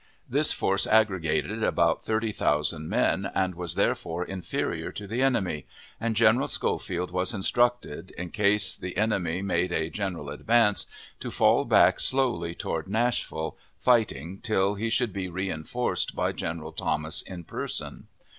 This force aggregated about thirty thousand men, was therefore inferior to the enemy; and General Schofield was instructed, in case the enemy made a general advance, to fall back slowly toward Nashville, fighting, till he should be reenforced by General Thomas in person.